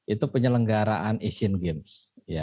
itu penyelenggaraan asian games